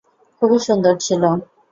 খুবই সুন্দর ছিল।